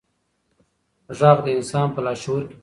غږ د انسان په لاشعور کې پټ وي.